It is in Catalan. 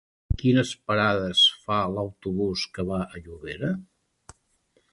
Quines parades fa l'autobús que va a Llobera?